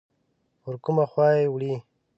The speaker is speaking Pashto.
پر کومه خوا یې وړي؟